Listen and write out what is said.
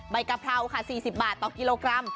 กะเพราค่ะ๔๐บาทต่อกิโลกรัม